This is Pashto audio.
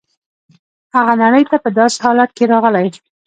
هغه نړۍ ته په داسې حالت کې راغلی.